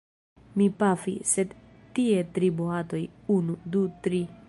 Mi pafi, sed tie tri boatoj, unu, du, tri!